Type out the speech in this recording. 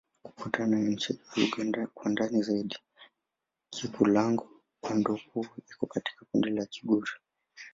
Kufuatana na uainishaji wa lugha kwa ndani zaidi, Kikulango-Bondoukou iko katika kundi la Kigur.